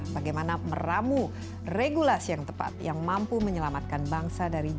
bagaimana meramu regulasi yang tepat yang mampu menyelamatkan bangsa dari dunia